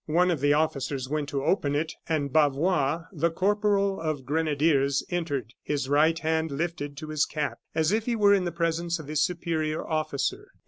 One of the officers went to open it, and Bavois, the corporal of grenadiers, entered, his right hand lifted to his cap, as if he were in the presence of his superior officer.